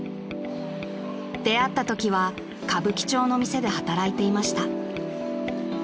［出会ったときは歌舞伎町の店で働いていました］